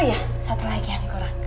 oh iya satu lagi yang kurang